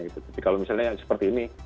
tapi kalau misalnya seperti ini